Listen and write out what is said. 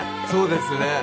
そうですね。